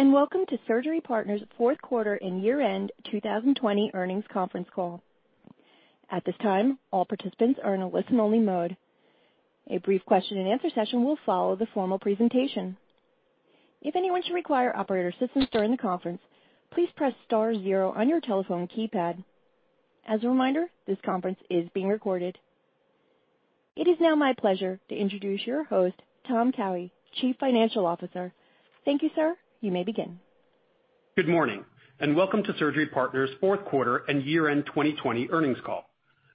Welcome to Surgery Partners' Q4 and year-end 2020 earnings conference call. At this time, all participants are in a listen-only mode. A brief question-and-answer session will follow the formal presentation. If anyone should require operator assistance during the conference, please press star zero on your telephone keypad. As a reminder, this conference is being recorded. It is now my pleasure to introduce your host, Tom Cowhey, Chief Financial Officer. Thank you, sir. You may begin. Good morning, and welcome to Surgery Partners' Q4 and year-end 2020 earnings call.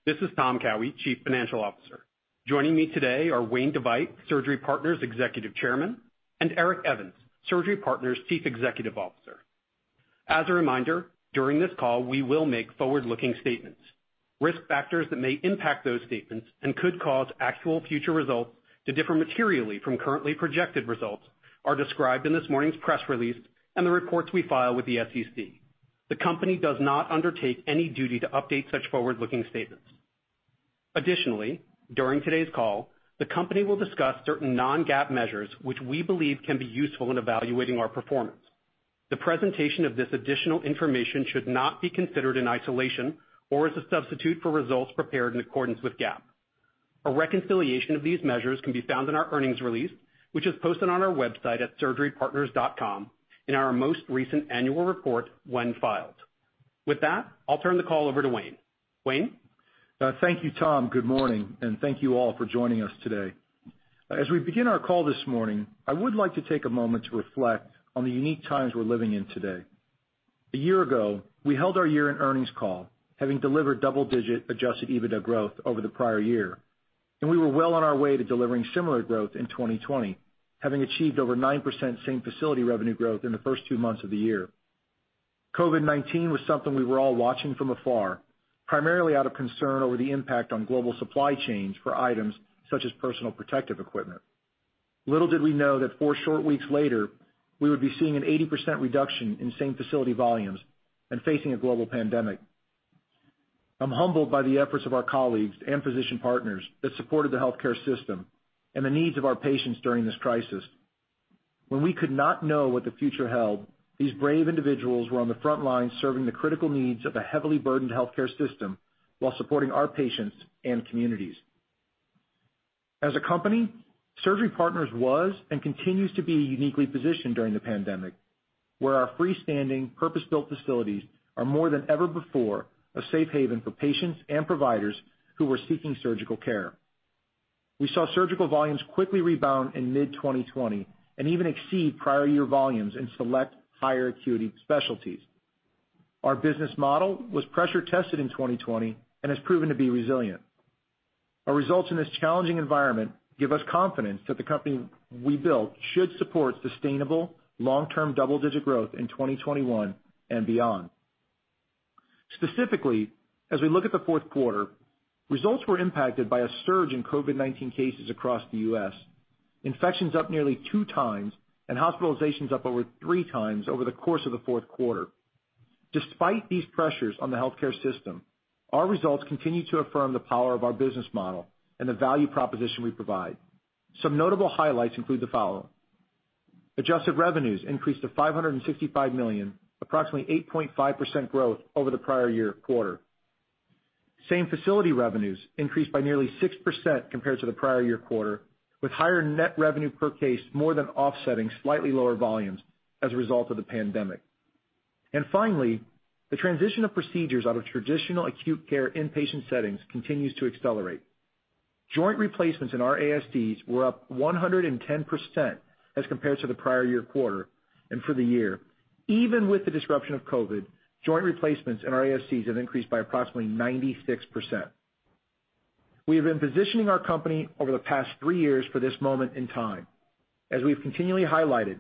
This is Tom Cowhey, Chief Financial Officer. Joining me today are Wayne DeVeydt, Surgery Partners' Executive Chairman, and Eric, Surgery Partners' Chief Executive Officer. As a reminder, during this call, we will make forward-looking statements. Risk factors that may impact those statements and could cause actual future results to differ materially from currently projected results are described in this morning's press release and the reports we file with the SEC. The company does not undertake any duty to update such forward-looking statements. Additionally, during today's call, the company will discuss certain non-GAAP measures which we believe can be useful in evaluating our performance. The presentation of this additional information should not be considered in isolation or as a substitute for results prepared in accordance with GAAP. A reconciliation of these measures can be found in our earnings release, which is posted on our website at surgerypartners.com in our most recent annual report when filed. With that, I'll turn the call over to Wayne. Wayne? Thank you, Tom. Good morning and thank you all for joining us today. As we begin our call this morning, I would like to take a moment to reflect on the unique times we're living in today. A year ago, we held our year-end earnings call, having delivered double-digit adjusted EBITDA growth over the prior year, and we were well on our way to delivering similar growth in 2020, having achieved over 9% same-facility revenue growth in the first two months of the year. COVID-19 was something we were all watching from afar, primarily out of concern over the impact on global supply chains for items such as personal protective equipment. Little did we know that four short weeks later, we would be seeing an 80% reduction in same-facility volumes and facing a global pandemic. I'm humbled by the efforts of our colleagues and physician partners that supported the healthcare system and the needs of our patients during this crisis. When we could not know what the future held, these brave individuals were on the front lines serving the critical needs of a heavily burdened healthcare system while supporting our patients and communities. As a company, Surgery Partners was and continues to be uniquely positioned during the pandemic, where our freestanding purpose-built facilities are more than ever before, a safe haven for patients and providers who were seeking surgical care. We saw surgical volumes quickly rebound in mid-2020 and even exceed prior year volumes in select higher acuity specialties. Our business model was pressure tested in 2020 and has proven to be resilient. Our results in this challenging environment give us confidence that the company we built should support sustainable long-term double-digit growth in 2021 and beyond. As we look at the Q4, results were impacted by a surge in COVID-19 cases across the U.S. Infections up nearly two times and hospitalizations up over three times over the course of the Q4. Despite these pressures on the healthcare system, our results continue to affirm the power of our business model and the value proposition we provide. Some notable highlights include the following. Adjusted revenues increased to $565 million, approximately 8.5% growth over the prior year quarter. Same-facility revenues increased by nearly 6% compared to the prior year quarter, with higher net revenue per case more than offsetting slightly lower volumes as a result of the pandemic. Finally, the transition of procedures out of traditional acute care inpatient settings continues to accelerate. Joint replacements in our ASCs were up 110% as compared to the prior year quarter. For the year, even with the disruption of COVID, joint replacements in our ASCs have increased by approximately 96%. We have been positioning our company over the past three years for this moment in time. As we've continually highlighted,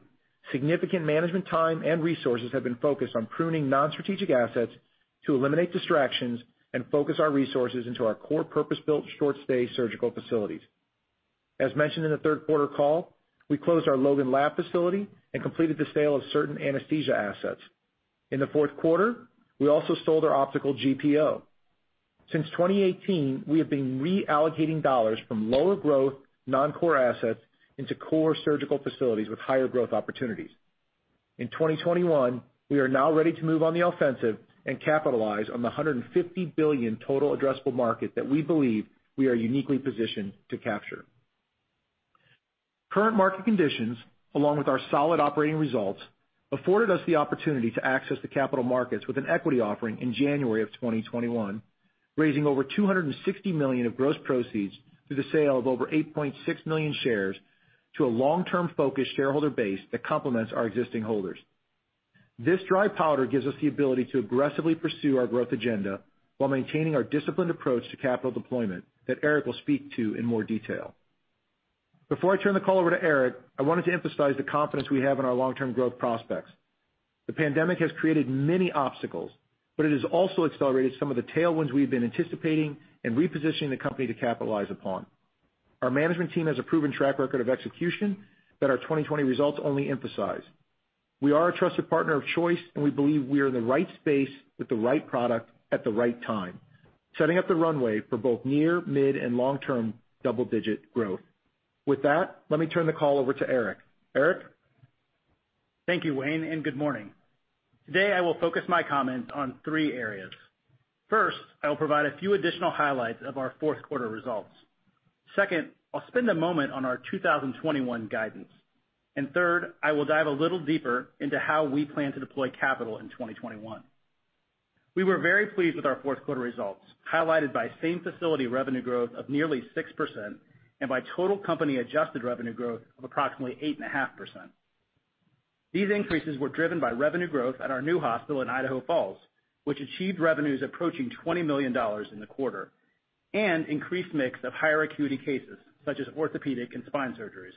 significant management time and resources have been focused on pruning non-strategic assets to eliminate distractions and focus our resources into our core purpose-built short-stay surgical facilities. As mentioned in the Q3 call, we closed our Logan Labs facility and completed the sale of certain anesthesia assets. In the Q4, we also sold our optical GPO. Since 2018, we have been reallocating dollars from lower growth non-core assets into core surgical facilities with higher growth opportunities. In 2021, we are now ready to move on the offensive and capitalize on the $150 billion total addressable market that we believe we are uniquely positioned to capture. Current market conditions, along with our solid operating results, afforded us the opportunity to access the capital markets with an equity offering in January of 2021, raising over $260 million of gross proceeds through the sale of over 8.6 million shares to a long-term focused shareholder base that complements our existing holders. This dry powder gives us the ability to aggressively pursue our growth agenda while maintaining our disciplined approach to capital deployment that Eric will speak to in more detail. Before I turn the call over to Eric, I wanted to emphasize the confidence we have in our long-term growth prospects. The pandemic has created many obstacles, but it has also accelerated some of the tailwinds we've been anticipating and repositioning the company to capitalize upon. Our management team has a proven track record of execution that our 2020 results only emphasize. We are a trusted partner of choice, and we believe we are in the right space with the right product at the right time. Setting up the runway for both near, mid, and long-term double-digit growth. With that, let me turn the call over to Eric. Eric? Thank you, Wayne. Good morning. Today, I will focus my comments on three areas. First, I will provide a few additional highlights of our Q4 results. Second, I'll spend a moment on our 2021 guidance. Third, I will dive a little deeper into how we plan to deploy capital in 2021. We were very pleased with our Q4 results, highlighted by same facility revenue growth of nearly 6%, and by total company adjusted revenue growth of approximately 8.5%. These increases were driven by revenue growth at our new hospital in Idaho Falls, which achieved revenues approaching $20 million in the quarter, and increased mix of higher acuity cases, such as orthopedic and spine surgeries.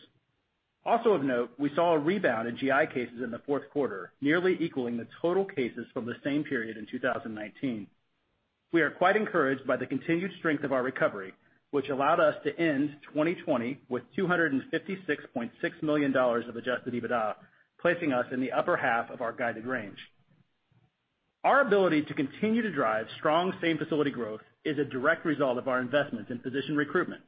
Also of note, we saw a rebound in GI cases in the Q4, nearly equaling the total cases from the same period in 2019. We are quite encouraged by the continued strength of our recovery, which allowed us to end 2020 with $256.6 million of adjusted EBITDA, placing us in the upper half of our guided range. Our ability to continue to drive strong same-facility growth is a direct result of our investments in physician recruitment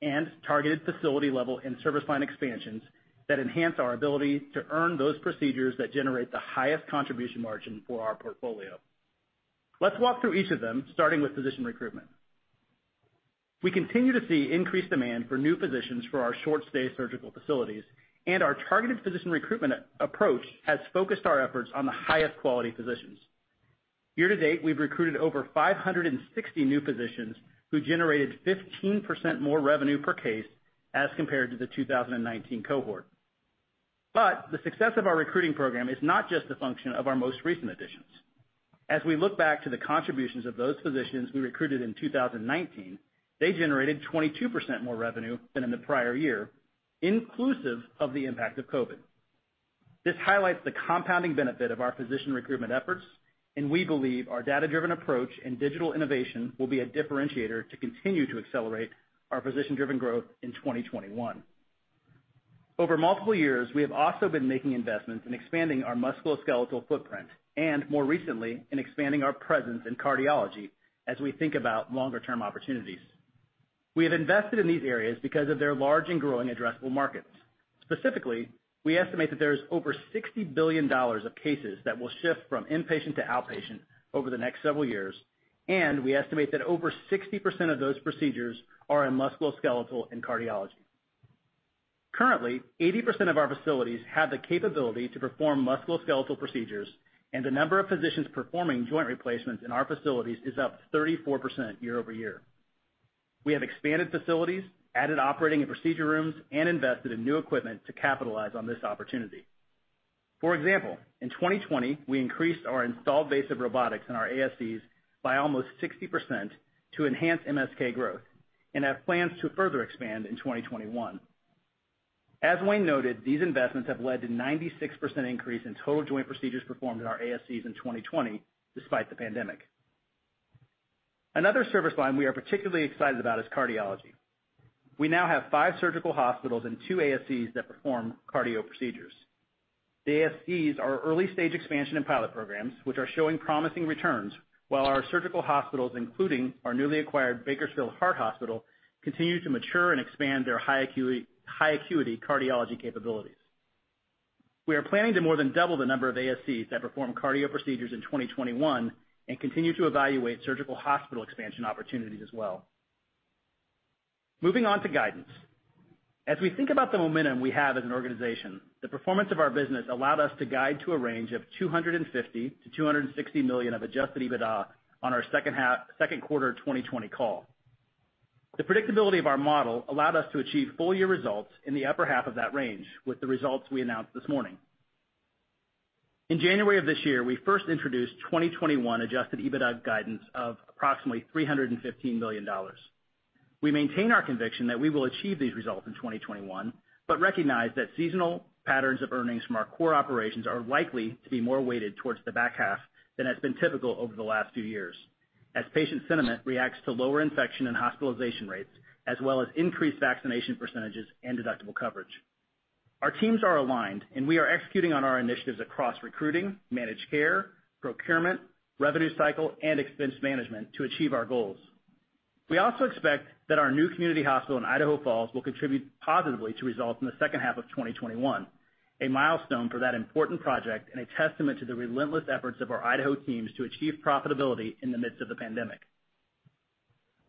and targeted facility level and service line expansions that enhance our ability to earn those procedures that generate the highest contribution margin for our portfolio. Let's walk through each of them, starting with physician recruitment. We continue to see increased demand for new physicians for our short-stay surgical facilities. Our targeted physician recruitment approach has focused our efforts on the highest quality physicians. Year to date, we've recruited over 560 new physicians, who generated 15% more revenue per case as compared to the 2019 cohort. The success of our recruiting program is not just a function of our most recent additions. As we look back to the contributions of those physicians we recruited in 2019, they generated 22% more revenue than in the prior year, inclusive of the impact of COVID. This highlights the compounding benefit of our physician recruitment efforts, and we believe our data-driven approach and digital innovation will be a differentiator to continue to accelerate our physician-driven growth in 2021. Over multiple years, we have also been making investments in expanding our musculoskeletal footprint, and more recently, in expanding our presence in cardiology, as we think about longer term opportunities. We have invested in these areas because of their large and growing addressable markets. Specifically, we estimate that there is over $60 billion of cases that will shift from inpatient to outpatient over the next several years, and we estimate that over 60% of those procedures are in musculoskeletal and cardiology. Currently, 80% of our facilities have the capability to perform musculoskeletal procedures, and the number of physicians performing joint replacements in our facilities is up 34% year-over-year. We have expanded facilities, added operating and procedure rooms, and invested in new equipment to capitalize on this opportunity. For example, in 2020, we increased our installed base of robotics in our ASCs by almost 60% to enhance MSK growth and have plans to further expand in 2021. As Wayne noted, these investments have led to 96% increase in total joint procedures performed in our ASCs in 2020, despite the pandemic. Another service line we are particularly excited about is cardiology. We now have five surgical hospitals and two ASCs that perform cardio procedures. The ASCs are early-stage expansion and pilot programs, which are showing promising returns, while our surgical hospitals, including our newly acquired Bakersfield Heart Hospital, continue to mature and expand their high acuity cardiology capabilities. We are planning to more than double the number of ASCs that perform cardio procedures in 2021 and continue to evaluate surgical hospital expansion opportunities as well. Moving on to guidance. As we think about the momentum we have as an organization, the performance of our business allowed us to guide to a range of $250-$260 million of adjusted EBITDA on our Q2 2020 call. The predictability of our model allowed us to achieve full year results in the upper half of that range with the results we announced this morning. In January of this year, we first introduced 2021 adjusted EBITDA guidance of approximately $315 million. We maintain our conviction that we will achieve these results in 2021, but recognize that seasonal patterns of earnings from our core operations are likely to be more weighted towards the back half than has been typical over the last few years, as patient sentiment reacts to lower infection and hospitalization rates, as well as increased vaccination percentages and deductible coverage. Our teams are aligned, and we are executing on our initiatives across recruiting, managed care, procurement, revenue cycle, and expense management to achieve our goals. We also expect that our new community hospital in Idaho Falls will contribute positively to results in the H2 of 2021, a milestone for that important project and a testament to the relentless efforts of our Idaho teams to achieve profitability in the midst of the pandemic.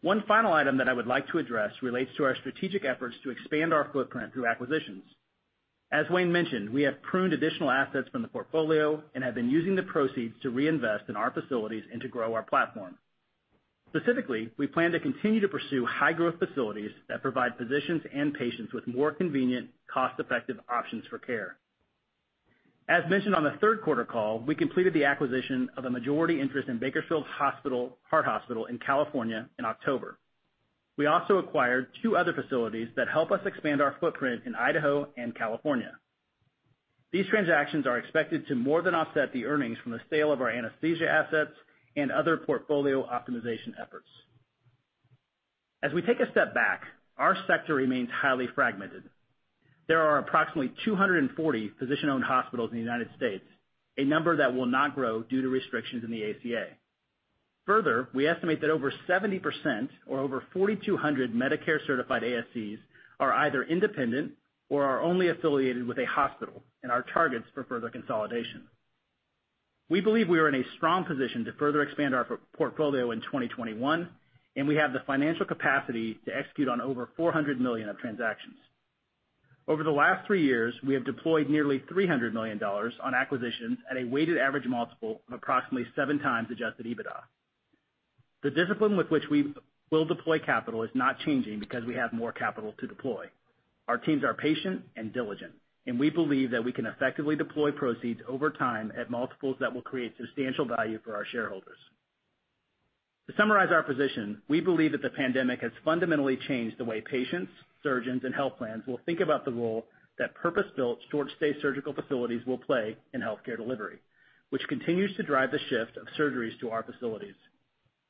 One final item that I would like to address relates to our strategic efforts to expand our footprint through acquisitions. As Wayne mentioned, we have pruned additional assets from the portfolio and have been using the proceeds to reinvest in our facilities and to grow our platform. Specifically, we plan to continue to pursue high growth facilities that provide physicians and patients with more convenient, cost-effective options for care. As mentioned on the Q3 call, we completed the acquisition of a majority interest in Bakersfield Heart Hospital in California in October. We also acquired two other facilities that help us expand our footprint in Idaho and California. These transactions are expected to more than offset the earnings from the sale of our anesthesia assets and other portfolio optimization efforts. As we take a step back, our sector remains highly fragmented. There are approximately 240 physician-owned hospitals in the U.S., a number that will not grow due to restrictions in the ACA. Further, we estimate that over 70%, or over 4,200 Medicare-certified ASCs are either independent or are only affiliated with a hospital and are targets for further consolidation. We believe we are in a strong position to further expand our portfolio in 2021, and we have the financial capacity to execute on over $400 million of transactions. Over the last three years, we have deployed nearly $300 million on acquisitions at a weighted average multiple of approximately seven times adjusted EBITDA. The discipline with which we will deploy capital is not changing because we have more capital to deploy. Our teams are patient and diligent, and we believe that we can effectively deploy proceeds over time at multiples that will create substantial value for our shareholders. To summarize our position, we believe that the pandemic has fundamentally changed the way patients, surgeons, and health plans will think about the role that purpose-built short-stay surgical facilities will play in healthcare delivery, which continues to drive the shift of surgeries to our facilities.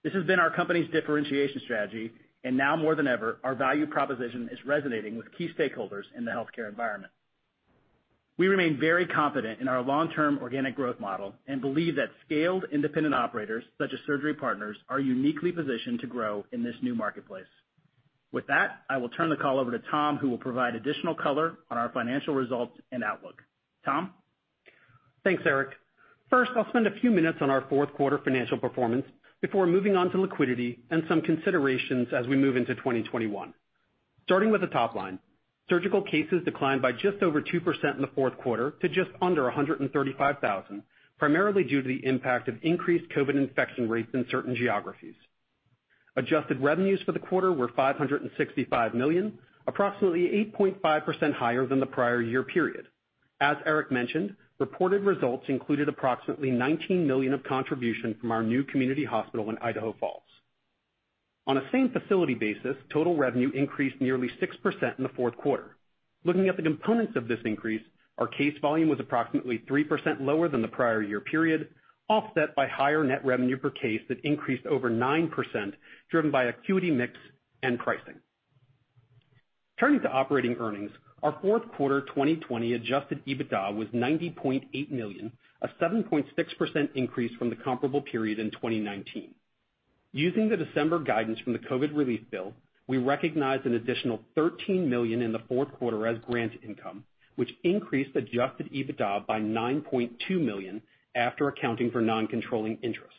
This has been our company's differentiation strategy, and now more than ever, our value proposition is resonating with key stakeholders in the healthcare environment. We remain very confident in our long-term organic growth model and believe that scaled, independent operators, such as Surgery Partners, are uniquely positioned to grow in this new marketplace. With that, I will turn the call over to Tom, who will provide additional color on our financial results and outlook. Tom? Thanks, Eric. First, I'll spend a few minutes on our Q4 financial performance before moving on to liquidity and some considerations as we move into 2021. Starting with the top line, surgical cases declined by just over 2% in the Q4 to just under 135,000, primarily due to the impact of increased COVID infection rates in certain geographies. Adjusted revenues for the quarter were $565 million, approximately 8.5% higher than the prior year period. As Eric mentioned, reported results included approximately $19 million of contribution from our new community hospital in Idaho Falls. On a same facility basis, total revenue increased nearly 6% in the Q4. Looking at the components of this increase, our case volume was approximately 3% lower than the prior year period, offset by higher net revenue per case that increased over 9%, driven by acuity mix and pricing. Turning to operating earnings, our Q4 2020 adjusted EBITDA was $90.8 million, a 7.6% increase from the comparable period in 2019. Using the December guidance from the COVID relief bill, we recognized an additional $13 million in the Q4 as grant income, which increased adjusted EBITDA by $9.2 million after accounting for non-controlling interests.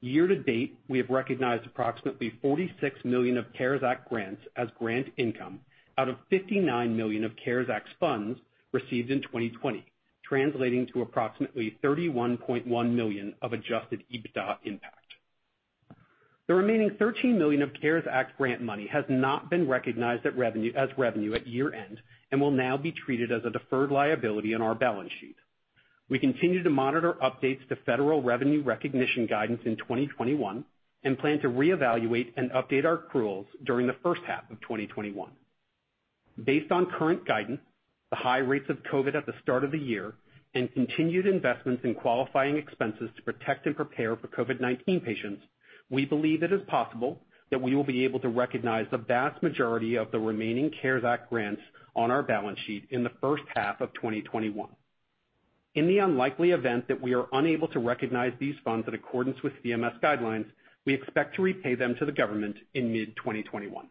Year to date, we have recognized approximately $46 million of CARES Act grants as grant income out of $59 million of CARES Act funds received in 2020, translating to approximately $31.1 million of adjusted EBITDA impact. The remaining $13 million of CARES Act grant money has not been recognized as revenue at year-end and will now be treated as a deferred liability on our balance sheet. We continue to monitor updates to federal revenue recognition guidance in 2021 and plan to reevaluate and update our accruals during the H1 of 2021. Based on current guidance, the high rates of COVID at the start of the year, and continued investments in qualifying expenses to protect and prepare for COVID-19 patients, we believe it is possible that we will be able to recognize the vast majority of the remaining CARES Act grants on our balance sheet in the H1 of 2021. In the unlikely event that we are unable to recognize these funds in accordance with CMS guidelines, we expect to repay them to the government in mid-2021.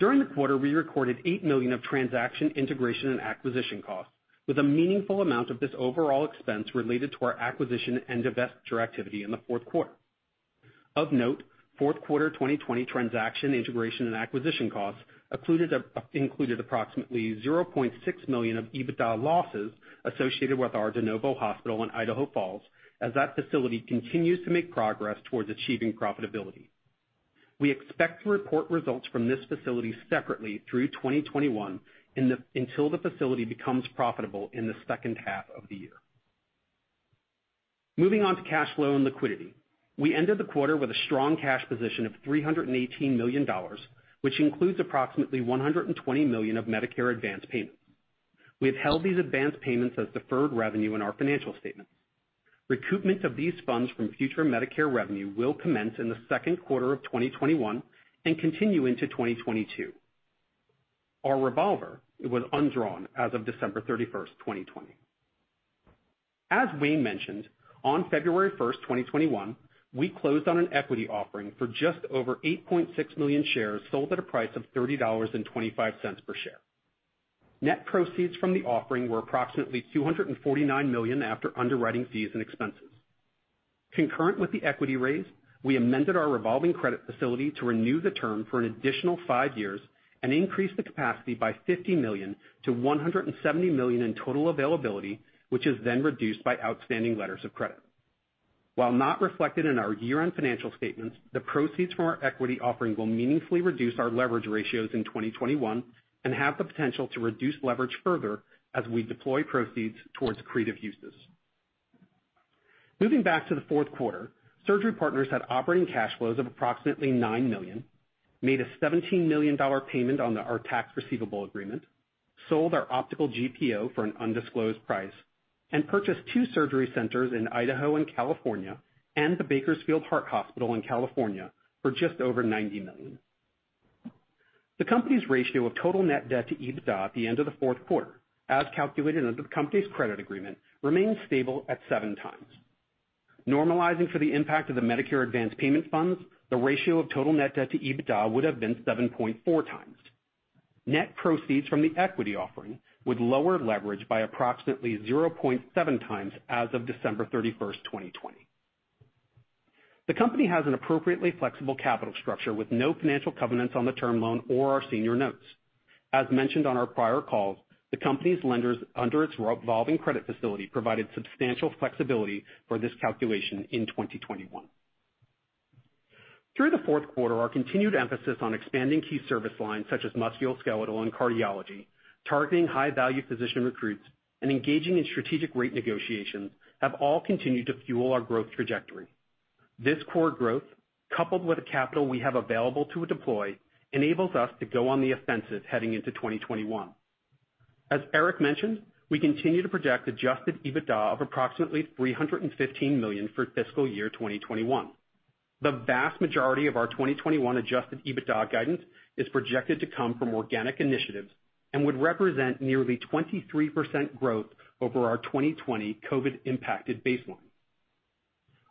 During the quarter, we recorded $8 million of transaction integration and acquisition costs, with a meaningful amount of this overall expense related to our acquisition and investor activity in the Q4. Of note, Q4 2020 transaction integration and acquisition costs included approximately $0.6 million of EBITDA losses associated with our de novo hospital in Idaho Falls, as that facility continues to make progress towards achieving profitability. We expect to report results from this facility separately through 2021, until the facility becomes profitable in the H2 of the year. Moving on to cash flow and liquidity. We ended the quarter with a strong cash position of $318 million, which includes approximately $120 million of Medicare advance payments. We have held these advance payments as deferred revenue in our financial statements. Recoupment of these funds from future Medicare revenue will commence in the Q2 of 2021 and continue into 2022. Our revolver was undrawn as of December 31, 2020. As Wayne mentioned, on February 1st, 2021, we closed on an equity offering for just over 8.6 million shares sold at a price of $30.25 per share. Net proceeds from the offering were approximately $249 million after underwriting fees and expenses. Concurrent with the equity raise, we amended our revolving credit facility to renew the term for an additional five years and increase the capacity by $50-$170 million in total availability, which is then reduced by outstanding letters of credit. While not reflected in our year-end financial statements, the proceeds from our equity offering will meaningfully reduce our leverage ratios in 2021 and have the potential to reduce leverage further as we deploy proceeds towards accretive uses. Moving back to the Q4, Surgery Partners had operating cash flows of approximately $9 million, made a $17 million payment on our tax receivable agreement, sold our optical GPO for an undisclosed price, and purchased two surgery centers in Idaho and California and the Bakersfield Heart Hospital in California for just over $90 million. The company's ratio of total net debt to EBITDA at the end of the Q4, as calculated under the company's credit agreement, remains stable at 7x. Normalizing for the impact of the Medicare advanced payment funds, the ratio of total net debt to EBITDA would have been 7.4x. Net proceeds from the equity offering would lower leverage by approximately 0.7x as of December 31st, 2020. The company has an appropriately flexible capital structure with no financial covenants on the term loan or our senior notes. As mentioned on our prior calls, the company's lenders under its revolving credit facility provided substantial flexibility for this calculation in 2021. Through the Q4, our continued emphasis on expanding key service lines such as musculoskeletal and cardiology, targeting high-value physician recruits, and engaging in strategic rate negotiations have all continued to fuel our growth trajectory. This core growth, coupled with the capital we have available to deploy, enables us to go on the offensive heading into 2021. As Eric mentioned, we continue to project adjusted EBITDA of approximately $315 million for fiscal year 2021. The vast majority of our 2021 adjusted EBITDA guidance is projected to come from organic initiatives and would represent nearly 23% growth over our 2020 COVID-impacted baseline.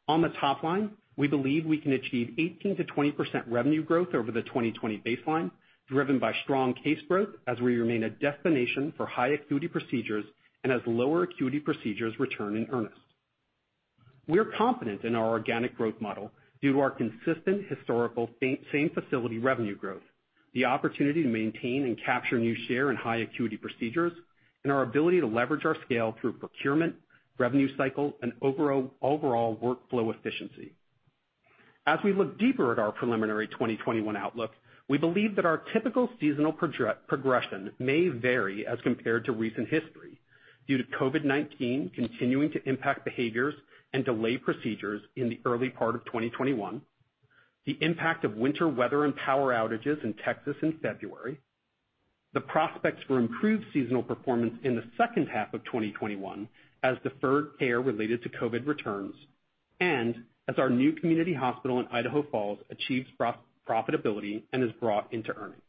On the top line, we believe we can achieve 18%-20% revenue growth over the 2020 baseline, driven by strong case growth as we remain a destination for high-acuity procedures and as lower-acuity procedures return in earnest. We're confident in our organic growth model due to our consistent historical same-facility revenue growth, the opportunity to maintain and capture new share in high-acuity procedures, and our ability to leverage our scale through procurement, revenue cycle, and overall workflow efficiency. As we look deeper at our preliminary 2021 outlook, we believe that our typical seasonal progression may vary as compared to recent history due to COVID-19 continuing to impact behaviors and delay procedures in the early part of 2021, the impact of winter weather and power outages in Texas in February, the prospects for improved seasonal performance in the H2 of 2021 as deferred care related to COVID returns, and as our new community hospital in Idaho Falls achieves profitability and is brought into earnings.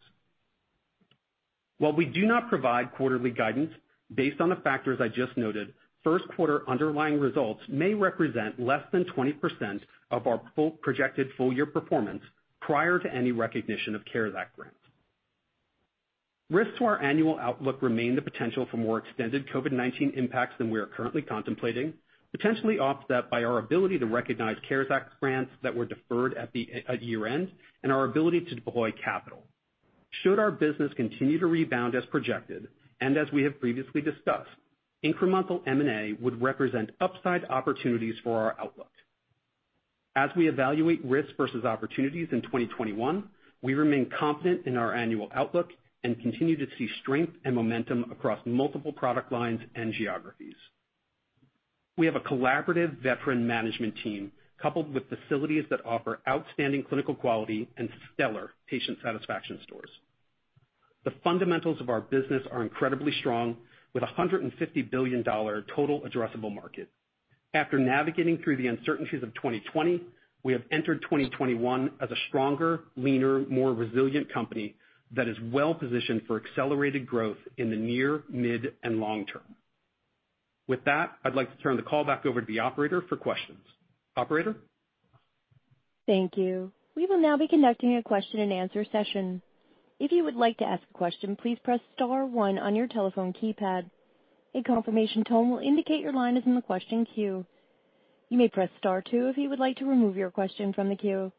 While we do not provide quarterly guidance, based on the factors I just noted, Q1 underlying results may represent less than 20% of our full projected full-year performance prior to any recognition of CARES Act grants. Risks to our annual outlook remain the potential for more extended COVID-19 impacts than we are currently contemplating, potentially offset by our ability to recognize CARES Act grants that were deferred at year-end and our ability to deploy capital. Should our business continue to rebound as projected, and as we have previously discussed, incremental M&A would represent upside opportunities for our outlook. As we evaluate risks versus opportunities in 2021, we remain confident in our annual outlook and continue to see strength and momentum across multiple product lines and geographies. We have a collaborative veteran management team coupled with facilities that offer outstanding clinical quality and stellar patient satisfaction scores. The fundamentals of our business are incredibly strong with $150 billion total addressable market. After navigating through the uncertainties of 2020, we have entered 2021 as a stronger, leaner, more resilient company that is well-positioned for accelerated growth in the near, mid, and long term. With that, I'd like to turn the call back over to the operator for questions. Operator? Thank you. We will now be conducting a question-and-answer session. If you would like to ask a question, please press star one on your telephone keypad. A confirmation tone will indicate your line is in the question queue. You may press star two if you would like to remove your question from the queue.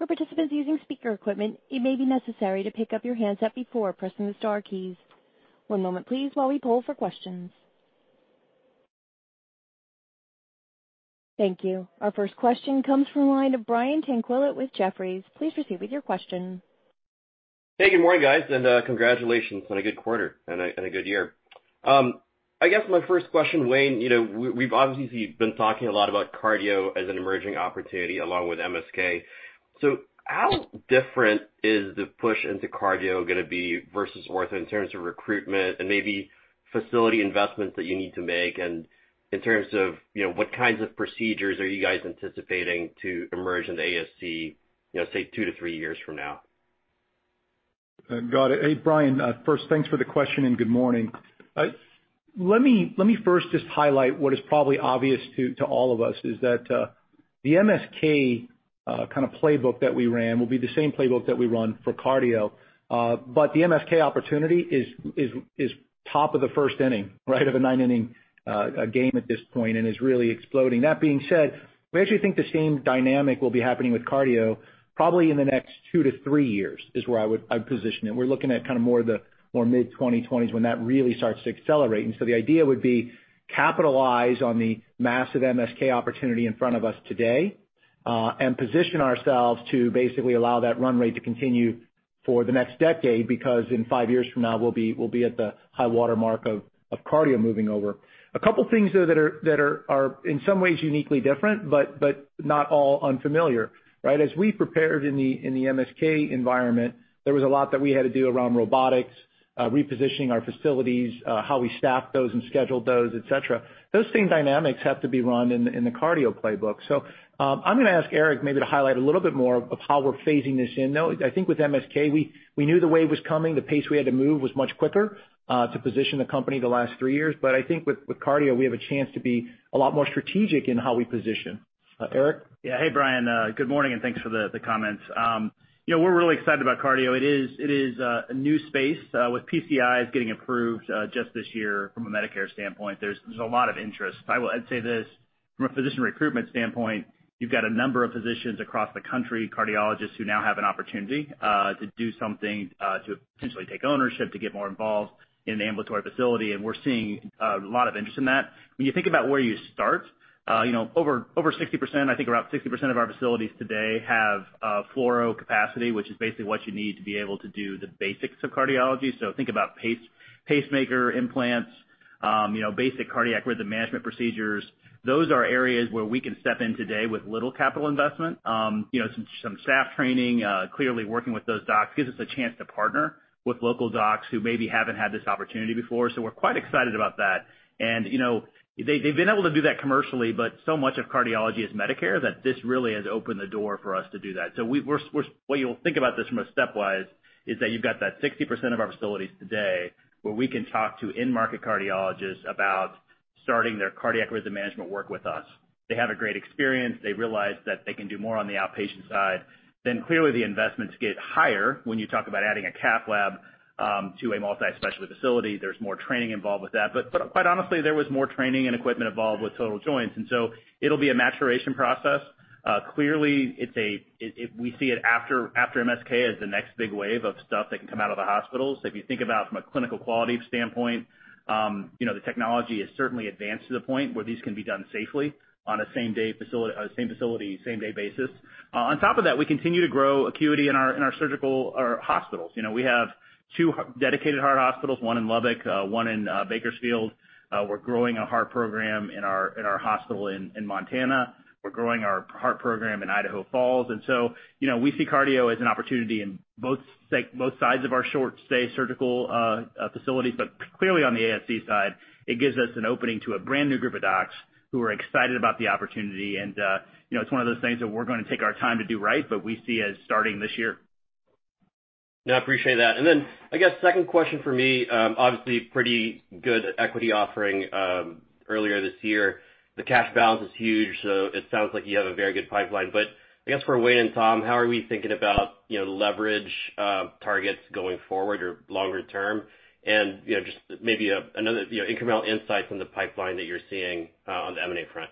For participants using speaker equipment, it may be necessary to pick up your handset before pressing the star keys. One moment please, while we poll for questions. Thank you. Our first question comes from the line of Brian Tanquilut with Jefferies. Please proceed with your question. Hey, good morning, guys, and congratulations on a good quarter and a good year. I guess my first question, Wayne, we've obviously been talking a lot about cardio as an emerging opportunity along with MSK. How different is the push into cardio going to be versus ortho in terms of recruitment and maybe facility investments that you need to make? In terms of what kinds of procedures are you guys anticipating to emerge in the ASC, say, two to three years from now? Got it. Hey, Brian. First, thanks for the question and good morning. Let me first just highlight what is probably obvious to all of us is that the MSK kind of playbook that we ran will be the same playbook that we run for cardio. The MSK opportunity is top of the first inning, right, of a nine-inning game at this point and is really exploding. That being said, we actually think the same dynamic will be happening with cardio probably in the next two to three years is where I would position it. We're looking at more mid-2020s when that really starts to accelerate. The idea would be capitalized on the massive MSK opportunity in front of us today, and position ourselves to basically allow that run rate to continue For the next decade, because in five years from now, we'll be at the high water mark of cardio moving over. A couple things, though, that are in some ways uniquely different, but not all unfamiliar. As we prepared in the MSK environment, there was a lot that we had to do around robotics, repositioning our facilities, how we staffed those and scheduled those, et cetera. Those same dynamics have to be run in the cardio playbook. I'm going to ask Eric maybe to highlight a little bit more of how we're phasing this in, though. I think with MSK, we knew the wave was coming. The pace we had to move was much quicker to position the company the last three years. I think with cardio, we have a chance to be a lot more strategic in how we position. Eric? Yeah. Hey, Brian. Good morning, and thanks for the comments. We're really excited about cardio. It is a new space with PCIs getting approved just this year from a Medicare standpoint. There's a lot of interest. I would say this from a physician recruitment standpoint, you've got a number of physicians across the country, cardiologists who now have an opportunity to do something to potentially take ownership, to get more involved in an ambulatory facility. We're seeing a lot of interest in that. When you think about where you start, over 60%, I think around 60% of our facilities today have fluoro capacity, which is basically what you need to be able to do the basics of cardiology. Think about pacemaker implants, basic cardiac rhythm management procedures. Those are areas where we can step in today with little capital investment. Some staff training, clearly working with those docs gives us a chance to partner with local docs who maybe haven't had this opportunity before. We're quite excited about that. They've been able to do that commercially, but so much of cardiology is Medicare that this really has opened the door for us to do that. The way you'll think about this from a stepwise is that you've got that 60% of our facilities today where we can talk to in-market cardiologists about starting their cardiac rhythm management work with us. They have a great experience. They realize that they can do more on the outpatient side. Clearly the investments get higher when you talk about adding a cath lab to a multi-specialty facility. There's more training involved with that. Quite honestly, there was more training and equipment involved with total joints, and so it'll be a maturation process. Clearly, we see it after MSK as the next big wave of stuff that can come out of the hospitals. If you think about from a clinical quality standpoint, the technology has certainly advanced to the point where these can be done safely on a same facility, same day basis. On top of that, we continue to grow acuity in our surgical hospitals. We have two dedicated heart hospitals, one in Lubbock, one in Bakersfield. We're growing a heart program in our hospital in Montana. We're growing our heart program in Idaho Falls. We see cardio as an opportunity in both sides of our short stay surgical facilities. Clearly on the ASC side, it gives us an opening to a brand-new group of docs who are excited about the opportunity. It's one of those things that we're going to take our time to do right, but we see as starting this year. No, I appreciate that. I guess second question for me, obviously pretty good equity offering earlier this year. The cash balance is huge, so it sounds like you have a very good pipeline. I guess for Wayne and Tom, how are we thinking about leverage targets going forward or longer term? Just maybe another incremental insight from the pipeline that you're seeing on the M&A front.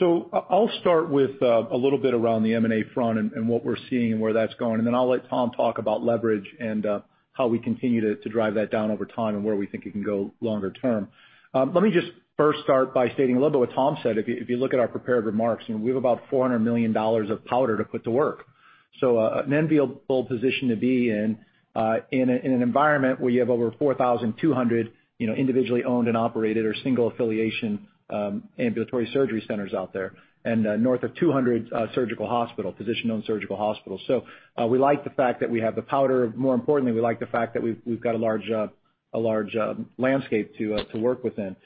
I'll start with a little bit around the M&A front and what we're seeing and where that's going. I'll let Tom talk about leverage and how we continue to drive that down over time and where we think it can go longer term. Let me just first start by stating a little bit what Tom said. If you look at our prepared remarks, we have about $400 million of powder to put to work. An enviable position to be in an environment where you have over 4,200 individually owned and operated or single affiliation Ambulatory Surgery Centers out there, and north of 200 surgical hospital, physician-owned surgical hospitals. We like the fact that we have the powder. More importantly, we like the fact that we've got a large landscape to work within.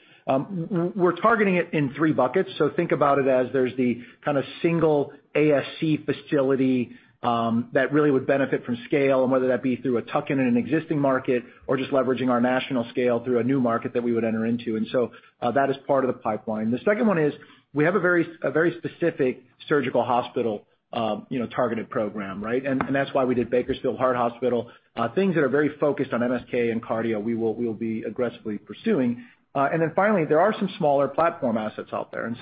We're targeting it in three buckets. Think about it as there's the kind of single ASC facility that really would benefit from scale and whether that be through a tuck-in in an existing market or just leveraging our national scale through a new market that we would enter into. That is part of the pipeline. The second one is we have a very specific surgical hospital targeted program. That's why we did Bakersfield Heart Hospital. Things that are very focused on MSK and cardio, we will be aggressively pursuing. Finally, there are some smaller platform assets out there.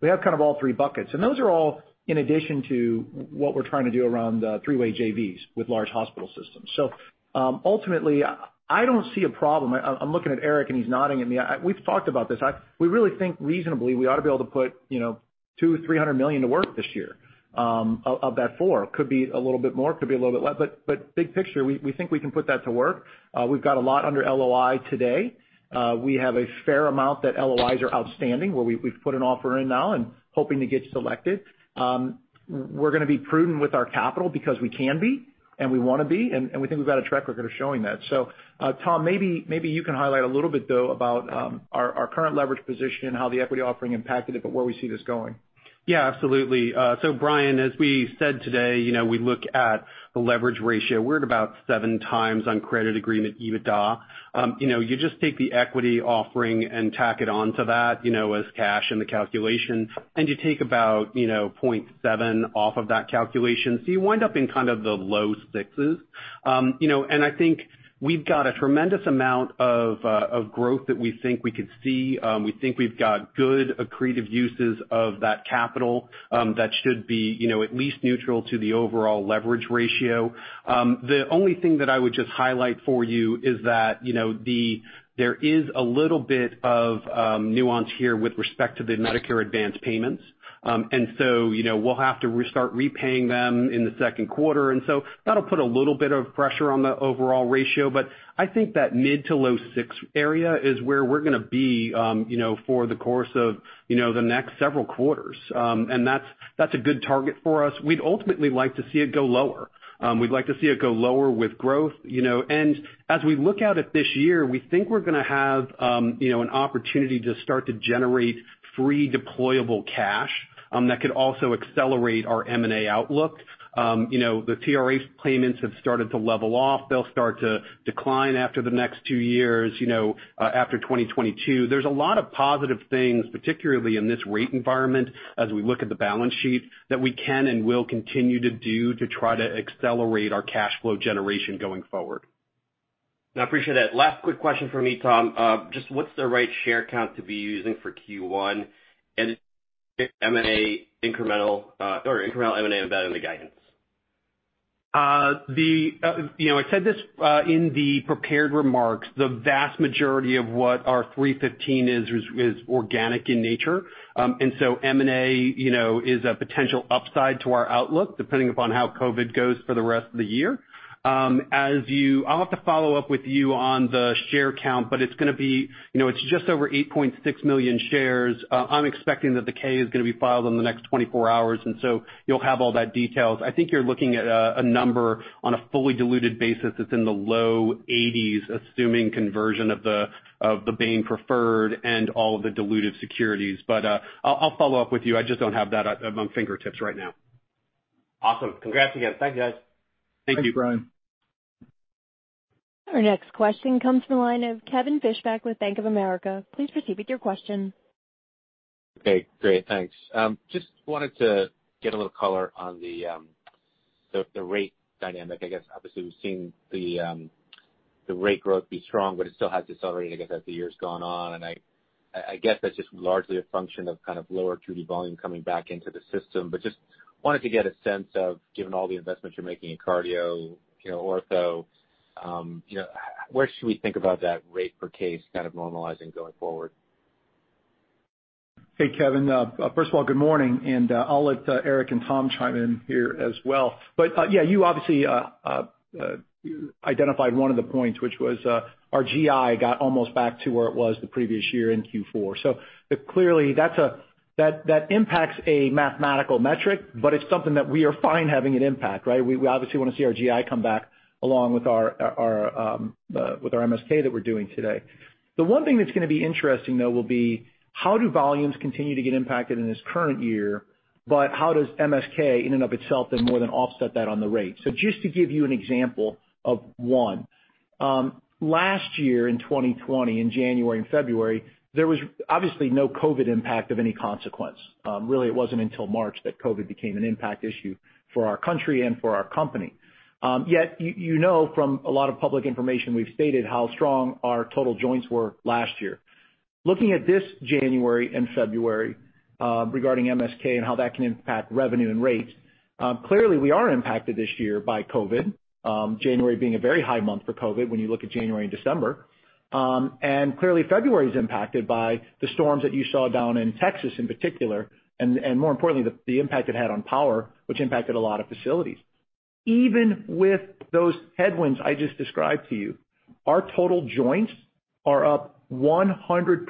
We have kind of all three buckets. Those are all in addition to what we're trying to do around three-way JVs with large hospital systems. Ultimately, I don't see a problem. I'm looking at Eric and he's nodding at me. We've talked about this. We really think reasonably we ought to be able to put $200-$300 million to work this year of that four. Could be a little bit more, could be a little bit less. Big picture, we think we can put that to work. We've got a lot under LOI today. We have a fair amount that LOIs are outstanding, where we've put an offer in now and hoping to get selected. We're going to be prudent with our capital because we can be, and we want to be, and we think we've got a track record of showing that. Tom, maybe you can highlight a little bit, though, about our current leverage position and how the equity offering impacted it. Where we see this going. Yeah, absolutely. Brian, as we said today, we look at the leverage ratio. We're at about seven times on credit agreement EBITDA. You just take the equity offering and tack it onto that, as cash in the calculation, and you take about 0.7 off of that calculation. You wind up in kind of the low sixes. I think we've got a tremendous amount of growth that we think we could see. We think we've got good accretive uses of that capital that should be at least neutral to the overall leverage ratio. The only thing that I would just highlight for you is that there is a little bit of nuance here with respect to the Medicare advanced payments. We'll have to restart repaying them in the Q2, and so that'll put a little bit of pressure on the overall ratio. I think that mid to low six area is where we're going to be for the course of the next several quarters. That's a good target for us. We'd ultimately like to see it go lower. We'd like to see it go lower with growth. As we look out at this year, we think we're going to have an opportunity to start to generate free deployable cash that could also accelerate our M&A outlook. The TRA payments have started to level off. They'll start to decline after the next two years, after 2022. There's a lot of positive things, particularly in this rate environment as we look at the balance sheet, that we can and will continue to do to try to accelerate our cash flow generation going forward. No, I appreciate that. Last quick question from me, Tom. Just what's the right share count to be using for Q1 and M&A incremental, or incremental M&A embedded in the guidance? I said this in the prepared remarks, the vast majority of what our 315 is organic in nature. M&A is a potential upside to our outlook, depending upon how COVID goes for the rest of the year. I'll have to follow up with you on the share count, but it's just over 8.6 million shares. I'm expecting that the K is going to be filed in the next 24 hours, you'll have all that details. I think you're looking at a number on a fully diluted basis that's in the low 80s, assuming conversion of the Bain preferred and all of the diluted securities. I'll follow up with you. I just don't have that at my fingertips right now. Awesome. Congrats again. Thank you, guys. Thank you. Thanks, Brian. Our next question comes from the line of Kevin Fischbeck with Bank of America. Please proceed with your question. Okay, great. Thanks. Just wanted to get a little color on the rate dynamic. Obviously, we've seen the rate growth be strong, but it still has decelerated, I guess, as the year's gone on, and I guess that's just largely a function of kind of lower 2D volume coming back into the system. Just wanted to get a sense of, given all the investments you're making in cardio, ortho, where should we think about that rate per case kind of normalizing going forward? Hey, Kevin. First of all, good morning. I will let Eric and Tom chime in here as well. You obviously identified one of the points, which was our GI got almost back to where it was the previous year in Q4. Clearly that impacts a mathematical metric, but it's something that we are fine having an impact, right? We obviously want to see our GI come back along with our MSK that we're doing today. The one thing that's going to be interesting, though, will be how do volumes continue to get impacted in this current year, but how does MSK in and of itself then more than offset that on the rate? Just to give you an example of one. Last year in 2020, in January and February, there was obviously no COVID-19 impact of any consequence. Really, it wasn't until March that COVID became an impact issue for our country and for our company. Yet, you know from a lot of public information we've stated how strong our total joints were last year. Looking at this January and February, regarding MSK and how that can impact revenue and rates, clearly we are impacted this year by COVID, January being a very high month for COVID when you look at January and December. Clearly February's impacted by the storms that you saw down in Texas in particular, and more importantly, the impact it had on power, which impacted a lot of facilities. Even with those headwinds I just described to you, our total joints are up 100%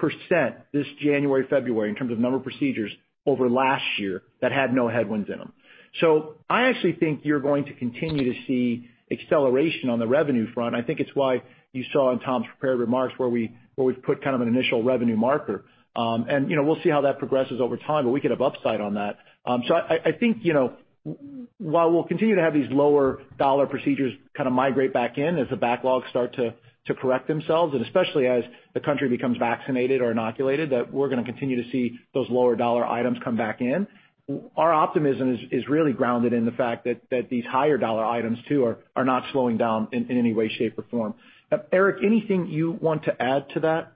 this January, February in terms of number of procedures over last year that had no headwinds in them. I actually think you're going to continue to see acceleration on the revenue front. I think it's why you saw in Tom's prepared remarks where we've put kind of an initial revenue marker. We'll see how that progresses over time, but we could have upside on that. I think, while we'll continue to have these lower dollar procedures kind of migrate back in as the backlogs start to correct themselves, and especially as the country becomes vaccinated or inoculated, that we're going to continue to see those lower dollar items come back in. Our optimism is really grounded in the fact that these higher dollar items, too, are not slowing down in any way, shape, or form. Eric, anything you want to add to that?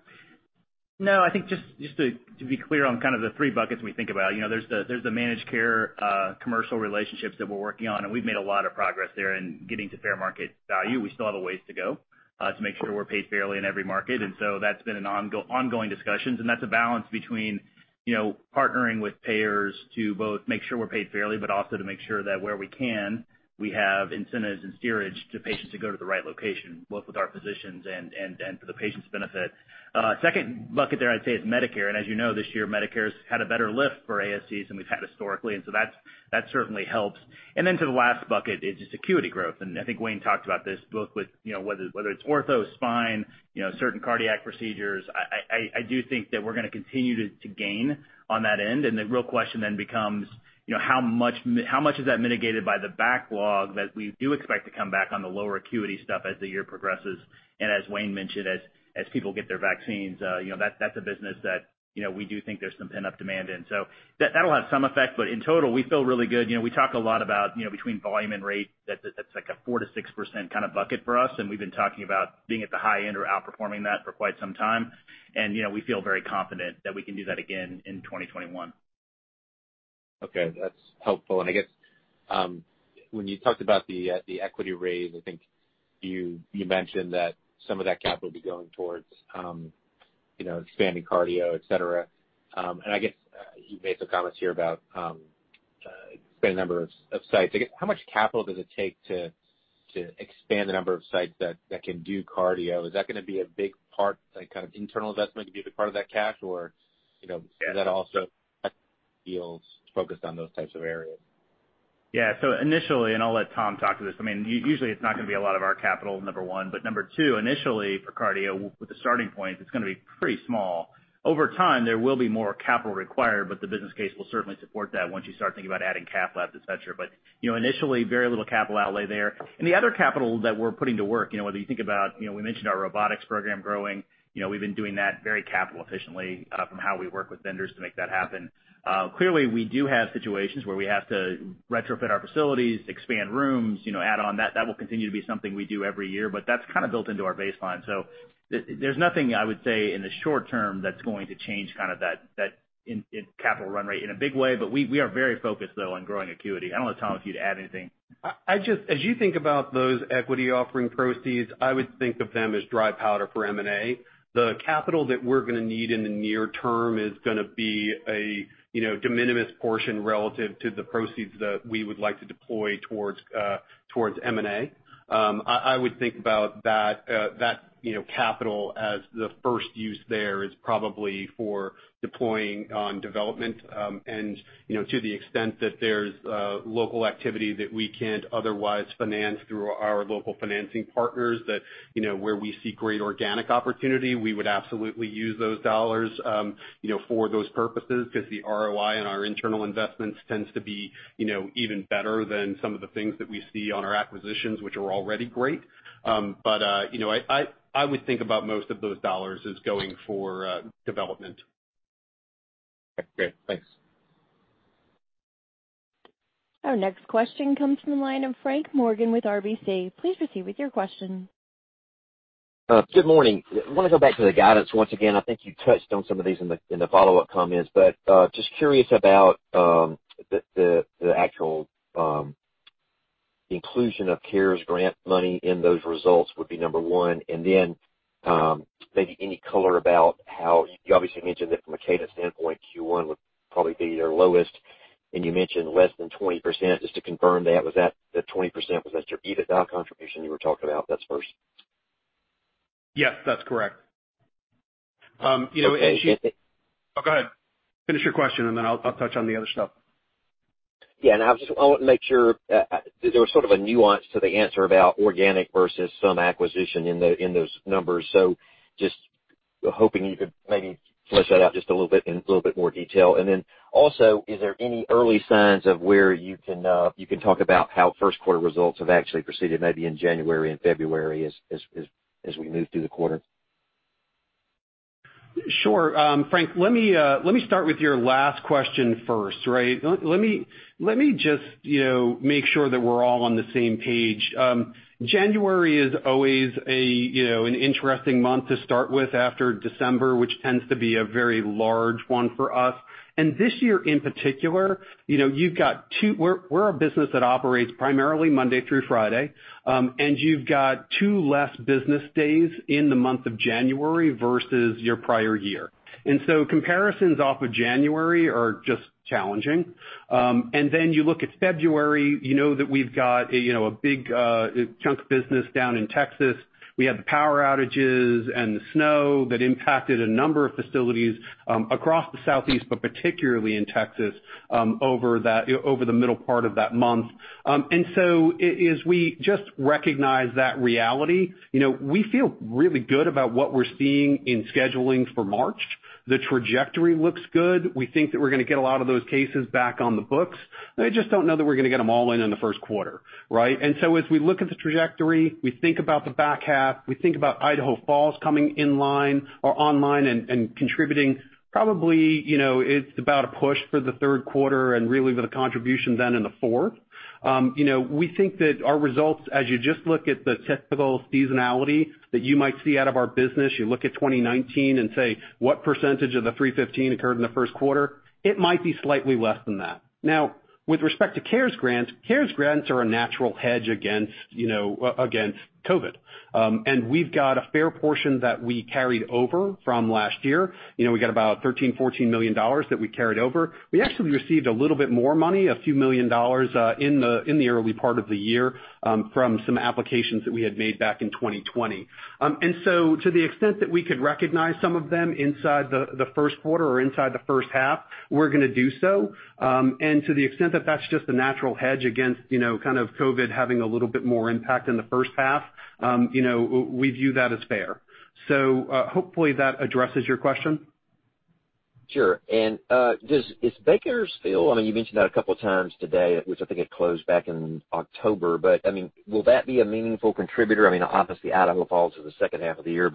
I think just to be clear on kind of the three buckets we think about. There's the managed care commercial relationships that we're working on, and we've made a lot of progress there in getting to fair market value. We still have a ways to go to make sure we're paid fairly in every market. That's been an ongoing discussions. That's a balance between partnering with payers to both make sure we're paid fairly, but also to make sure that where we can, we have incentives and steerage to patients to go to the right location, both with our physicians and for the patient's benefit. Second bucket there I'd say is Medicare. As you know, this year, Medicare's had a better lift for ASCs than we've had historically, and so that certainly helps. To the last bucket is just acuity growth. I think Wayne talked about this both with whether it's ortho, spine, certain cardiac procedures. I do think that we're going to continue to gain on that end, and the real question then becomes how much is that mitigated by the backlog that we do expect to come back on the lower acuity stuff as the year progresses? As Wayne mentioned, as people get their vaccines, that's a business that we do think there's some pent-up demand in. That'll have some effect. In total, we feel really good. We talk a lot about between volume and rate, that's like a 4%-6% kind of bucket for us, and we've been talking about being at the high end or outperforming that for quite some time. We feel very confident that we can do that again in 2021. Okay, that's helpful. I guess, when you talked about the equity raise, I think you mentioned that some of that capital will be going towards expanding cardio, et cetera. I guess, you've made some comments here about expanding the number of sites. How much capital does it take to expand the number of sites that can do cardio? Is that going to be a big part, like internal investment, be a big part of that cash? Yeah Is that also deals focused on those types of areas? Yeah. Initially, and I'll let Tom talk to this, usually it's not going to be a lot of our capital, number one. Number two, initially for cardio, with the starting point, it's going to be pretty small. Over time, there will be more capital required, but the business case will certainly support that once you start thinking about adding cath labs, et cetera. Initially, very little capital outlay there. The other capital that we're putting to work, whether you think about, we mentioned our robotics program growing. We've been doing that very capital efficiently, from how we work with vendors to make that happen. Clearly, we do have situations where we have to retrofit our facilities, expand rooms, add on. That will continue to be something we do every year, but that's built into our baseline. There's nothing, I would say, in the short term that's going to change that capital run rate in a big way. We are very focused, though, on growing acuity. I don't know, Tom, if you'd add anything. As you think about those equity offering proceeds, I would think of them as dry powder for M&A. The capital that we're going to need in the near term is going to be a de minimis portion relative to the proceeds that we would like to deploy towards M&A. I would think about that capital as the first use there is probably for deploying on development. To the extent that there's local activity that we can't otherwise finance through our local financing partners where we see great organic opportunity, we would absolutely use those dollars for those purposes, because the ROI on our internal investments tends to be even better than some of the things that we see on our acquisitions, which are already great. I would think about most of those dollars as going for development. Great. Thanks. Our next question comes from the line of Frank Morgan with RBC. Please proceed with your question. Good morning. I want to go back to the guidance once again. I think you touched on some of these in the follow-up comments. Just curious about the actual inclusion of CARES Grant money in those results would be number one. Maybe any color about how you obviously mentioned that from a cadence standpoint, Q1 would probably be your lowest, and you mentioned less than 20%. Just to confirm, the 20%, was that your EBITDA contribution you were talking about? That's first. Yes, that's correct. Okay. Go ahead. Finish your question, and then I'll touch on the other stuff. Yeah. I want to make sure, there was sort of a nuance to the answer about organic versus some acquisition in those numbers. Just hoping you could maybe flesh that out just a little bit in a little bit more detail. Also, is there any early signs of where you can talk about how Q1 results have actually proceeded, maybe in January and February as we move through the quarter? Sure. Frank, let me start with your last question first. Let me just make sure that we're all on the same page. January is always an interesting month to start with after December, which tends to be a very large one for us. This year in particular, we're a business that operates primarily Monday through Friday, and you've got two less business days in the month of January versus your prior year. Comparisons off of January are just challenging. Then you look at February, you know that we've got a big chunk of business down in Texas. We had the power outages and the snow that impacted a number of facilities across the Southeast, but particularly in Texas, over the middle part of that month. As we just recognize that reality, we feel really good about what we're seeing in scheduling for March. The trajectory looks good. We think that we're going to get a lot of those cases back on the books. I just don't know that we're going to get them all in in the Q1. As we look at the trajectory, we think about the back half. We think about Idaho Falls coming online and contributing, probably it's about a push for the Q3 and really with a contribution then in the fourth. We think that our results, as you just look at the typical seasonality that you might see out of our business, you look at 2019 and say, what percentage of the $315 occurred in the Q1? It might be slightly less than that. Now, with respect to CARES Grants, CARES Grants are a natural hedge against COVID. We've got a fair portion that we carried over from last year. We got about $13, $14 million that we carried over. We actually received a little bit more money, a few million dollars in the early part of the year, from some applications that we had made back in 2020. To the extent that we could recognize some of them inside the Q1 or inside the H1, we're going to do so. To the extent that that's just a natural hedge against COVID having a little bit more impact in the H1, we view that as fair. Hopefully that addresses your question. Sure. Is Bakersfield, you mentioned that a couple of times today, which I think it closed back in October, will that be a meaningful contributor? Obviously, Idaho Falls is the H2 of the year.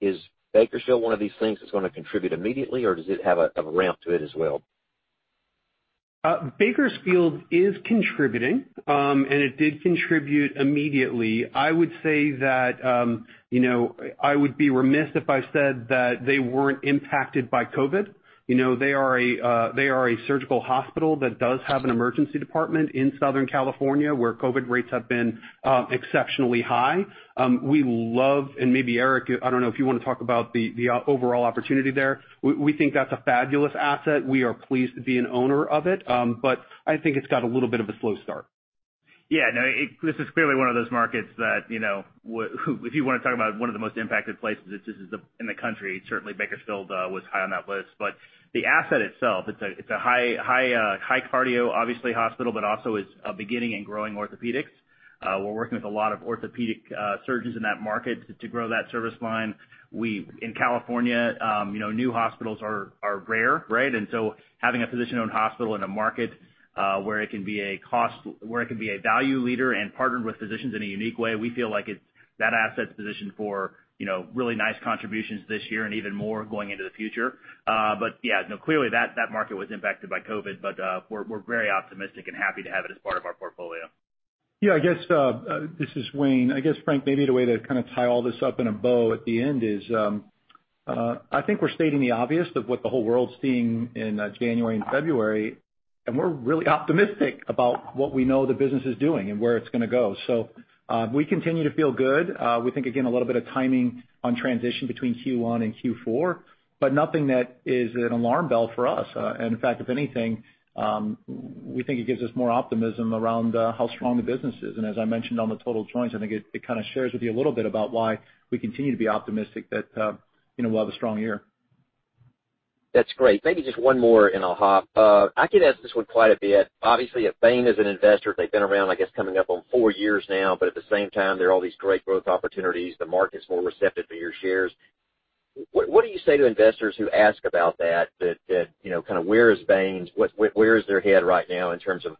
Is Bakersfield one of these things that's going to contribute immediately, or does it have a ramp to it as well? Bakersfield is contributing, and it did contribute immediately. I would say that I would be remiss if I said that they weren't impacted by COVID. They are a surgical hospital that does have an emergency department in Southern California, where COVID rates have been exceptionally high. We love, and maybe Eric, I don't know if you want to talk about the overall opportunity there. We think that's a fabulous asset. We are pleased to be an owner of it, but I think it's got a little bit of a slow start. Yeah, no, this is clearly one of those markets that, if you want to talk about one of the most impacted places in the country, certainly Bakersfield was high on that list. The asset itself, it's a high cardio, obviously hospital, but also is beginning and growing orthopedics. We're working with a lot of orthopedic surgeons in that market to grow that service line. In California, new hospitals are rare, right? Having a physician-owned hospital in a market, where it can be a value leader and partnered with physicians in a unique way, we feel like that asset's positioned for really nice contributions this year and even more going into the future. Yeah, no, clearly that market was impacted by COVID, but we're very optimistic and happy to have it as part of our portfolio. Yeah, this is Wayne. I guess, Frank, maybe the way to kind of tie all this up in a bow at the end is, I think we're stating the obvious of what the whole world's seeing in January and February, and we're really optimistic about what we know the business is doing and where it's going to go. We continue to feel good. We think, again, a little bit of timing on transition between Q1 and Q4, but nothing that is an alarm bell for us. In fact, if anything, we think it gives us more optimism around how strong the business is. As I mentioned on the total joints, I think it kind of shares with you a little bit about why we continue to be optimistic that we'll have a strong year. That's great. Maybe just one more, and I'll hop. I get asked this one quite a bit. Obviously, at Bain, as an investor, they've been around, I guess, coming up on four years now, but at the same time, there are all these great growth opportunities. The market's more receptive to your shares. What do you say to investors who ask about that? Where is their head right now in terms of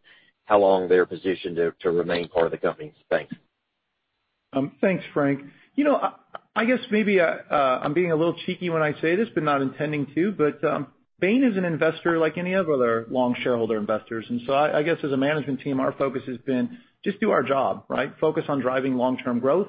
how long they're positioned to remain part of the company? Thanks. Thanks, Frank. I guess maybe I'm being a little cheeky when I say this, but not intending to, but Bain is an investor like any other long shareholder investors. I guess as a management team, our focus has been just do our job, right? Focus on driving long-term growth,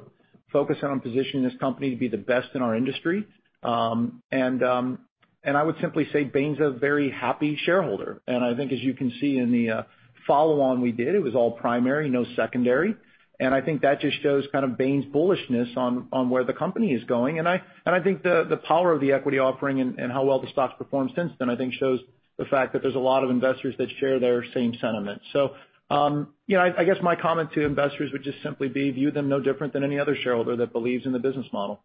focus on positioning this company to be the best in our industry. I would simply say Bain's a very happy shareholder. I think, as you can see in the follow-on we did, it was all primary, no secondary. I think that just shows kind of Bain's bullishness on where the company is going. I think the power of the equity offering and how well the stock's performed since then, I think, shows the fact that there's a lot of investors that share their same sentiment. I guess my comment to investors would just simply be view them no different than any other shareholder that believes in the business model.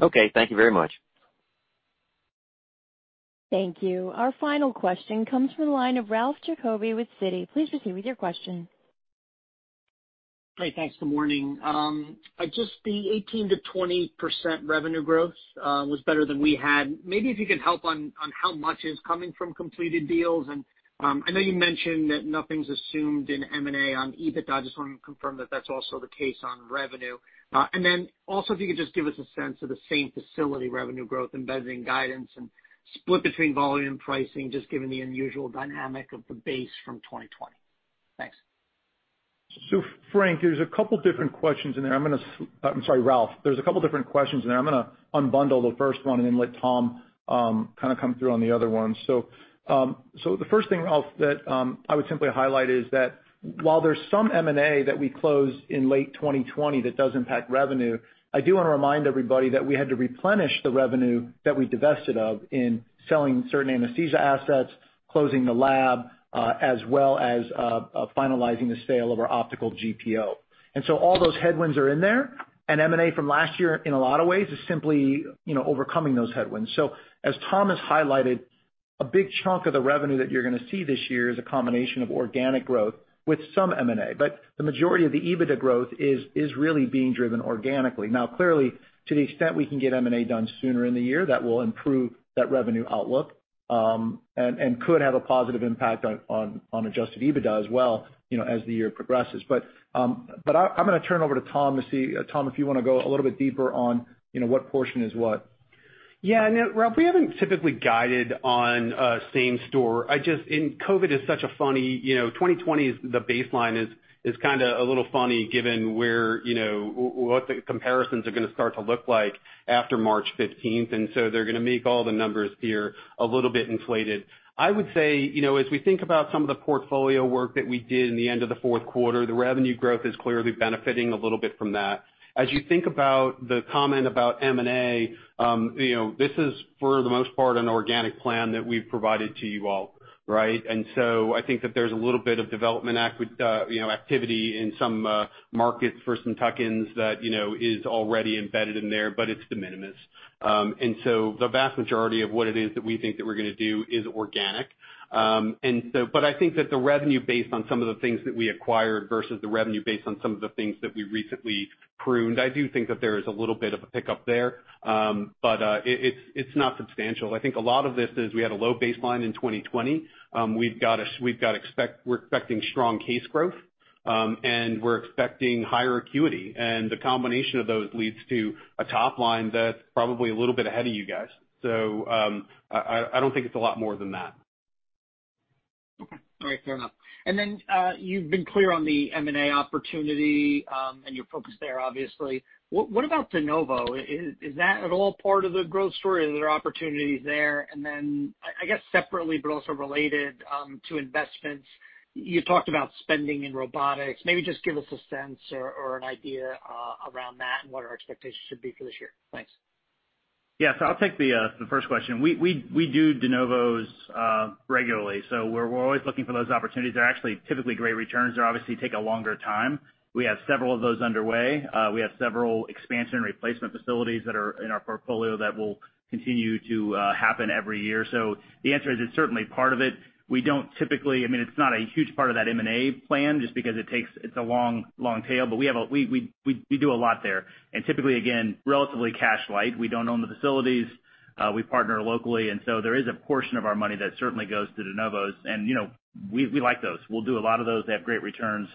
Okay. Thank you very much. Thank you. Our final question comes from the line of Ralph Giacobbe with Citi. Please proceed with your question. Hi. Thanks. Good morning. Just the 18%-20% revenue growth was better than we had. Maybe if you could help on how much is coming from completed deals and I know you mentioned that nothing's assumed in M&A on EBITDA. I just want to confirm that that's also the case on revenue. Then also, if you could just give us a sense of the same facility revenue growth embedded in guidance and split between volume pricing, just given the unusual dynamic of the base from 2020. Thanks. Frank, there's a couple different questions in there. I'm sorry, Ralph. There's a couple different questions in there. I'm going to unbundle the first one and then let Tom kind of come through on the other one. The first thing, Ralph, that I would simply highlight is that while there's some M&A that we closed in late 2020 that does impact revenue, I do want to remind everybody that we had to replenish the revenue that we divested of in selling certain anesthesia assets, closing the lab, as well as finalizing the sale of our optical GPO. All those headwinds are in there, and M&A from last year, in a lot of ways, is simply overcoming those headwinds. As Tom has highlighted, a big chunk of the revenue that you're going to see this year is a combination of organic growth with some M&A. The majority of the EBITDA growth is really being driven organically. Now clearly, to the extent we can get M&A done sooner in the year, that will improve that revenue outlook, and could have a positive impact on adjusted EBITDA as well as the year progresses. I'm going to turn over to Tom to see, Tom, if you want to go a little bit deeper on what portion is what. Yeah, I know, Ralph, we haven't typically guided on same store. COVID is such a funny 2020, the baseline is kind of a little funny given what the comparisons are going to start to look like after March 15th, they're going to make all the numbers here a little bit inflated. I would say, as we think about some of the portfolio work that we did in the end of the Q4, the revenue growth is clearly benefiting a little bit from that. As you think about the comment about M&A, this is, for the most part, an organic plan that we've provided to you all. Right? I think that there's a little bit of development activity in some markets for some tuck-ins that is already embedded in there, but it's de minimis. The vast majority of what it is that we think that we're going to do is organic. I think that the revenue based on some of the things that we acquired versus the revenue based on some of the things that we recently pruned, I do think that there is a little bit of a pickup there. It's not substantial. I think a lot of this is we had a low baseline in 2020. We're expecting strong case growth We're expecting higher acuity, the combination of those leads to a top line that's probably a little bit ahead of you guys. I don't think it's a lot more than that. Okay. All right, fair enough. You've been clear on the M&A opportunity, and your focus there, obviously. What about de novo? Is that at all part of the growth story? Are there opportunities there? Then, I guess separately, but also related to investments, you talked about spending in robotics. Maybe just give us a sense or an idea around that and what our expectations should be for this year. Thanks. I'll take the first question. We do de novos regularly. We're always looking for those opportunities. They're actually typically great returns. They obviously take a longer time. We have several of those underway. We have several expansion replacement facilities that are in our portfolio that will continue to happen every year. The answer is, it's certainly part of it. We don't typically I mean, it's not a huge part of that M&A plan just because it's a long tail. We do a lot there. Typically, again, relatively cash light. We don't own the facilities. We partner locally. There is a portion of our money that certainly goes to de novos. We like those. We'll do a lot of those. They have great returns.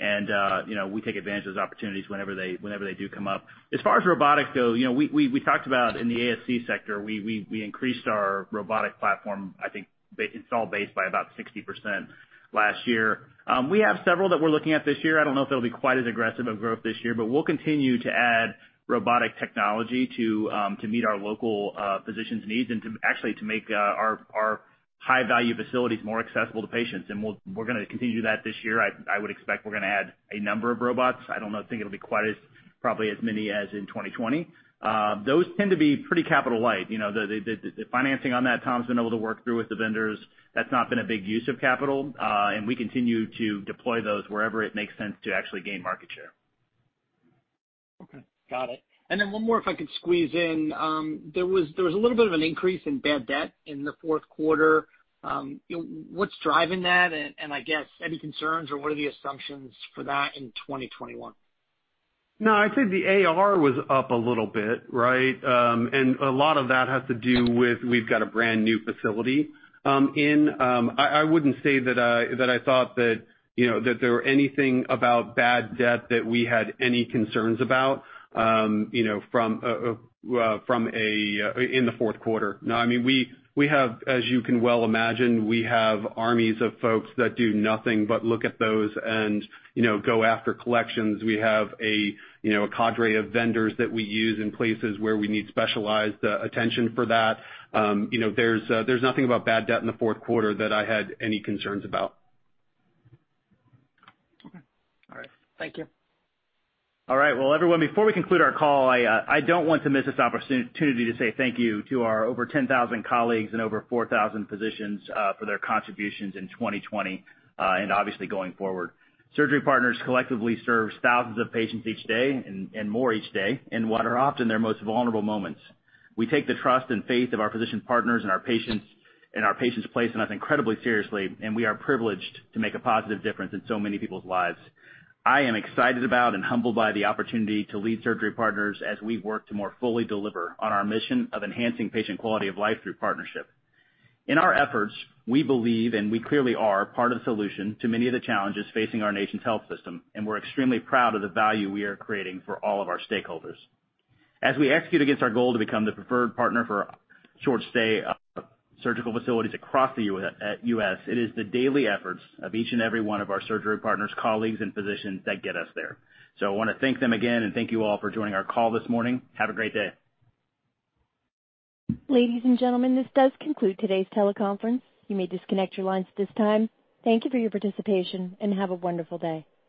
We take advantage of those opportunities whenever they do come up. As far as robotics go, we talked about in the ASC sector, we increased our robotic platform, I think, install base by about 60% last year. We have several that we're looking at this year. I don't know if they'll be quite as aggressive of growth this year, but we'll continue to add robotic technology to meet our local physicians' needs and actually to make our high-value facilities more accessible to patients. We're going to continue that this year. I would expect we're going to add a number of robots. I don't think it'll be quite as probably as many as in 2020. Those tend to be pretty capital light. The financing on that, Tom's been able to work through with the vendors. That's not been a big use of capital. We continue to deploy those wherever it makes sense to actually gain market share. Okay. Got it. One more, if I could squeeze in. There was a little bit of an increase in bad debt in the Q4. What's driving that? I guess, any concerns or what are the assumptions for that in 2021? No, I'd say the AR was up a little bit, right? A lot of that has to do with, we've got a brand new facility. I wouldn't say that I thought that there were anything about bad debt that we had any concerns about in the Q4. No. As you can well imagine, we have armies of folks that do nothing but look at those and go after collections. We have a cadre of vendors that we use in places where we need specialized attention for that. There's nothing about bad debt in the Q4 that I had any concerns about. Okay. All right. Thank you. All right. Well, everyone, before we conclude our call, I don't want to miss this opportunity to say thank you to our over 10,000 colleagues and over 4,000 physicians for their contributions in 2020, and obviously, going forward. Surgery Partners collectively serves thousands of patients each day, and more each day, in what are often their most vulnerable moments. We take the trust and faith of our physician partners and our patients' place incredibly seriously, and we are privileged to make a positive difference in so many people's lives. I am excited about and humbled by the opportunity to lead Surgery Partners as we work to more fully deliver on our mission of enhancing patient quality of life through partnership. In our efforts, we believe, and we clearly are, part of the solution to many of the challenges facing our nation's health system, and we're extremely proud of the value we are creating for all of our stakeholders. As we execute against our goal to become the preferred partner for short stay surgical facilities across the U.S., it is the daily efforts of each and every one of our Surgery Partners colleagues and physicians that get us there. I want to thank them again and thank you all for joining our call this morning. Have a great day. Ladies and gentlemen, this does conclude today's teleconference. You may disconnect your lines at this time. Thank you for your participation, and have a wonderful day.